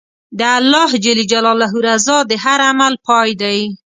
د الله رضا د هر عمل پای دی.